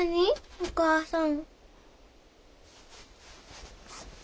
お母さん。